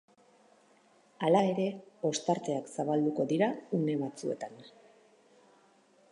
Hala ere, ostarteak zabalduko dira une batzuetan.